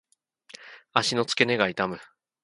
足の付け根が痛む。